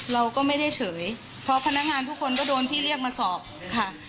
เราก็ไม่ได้เฉยเพราะพนักงานทุกคนก็โดนพี่เรียกมาสอบค่ะ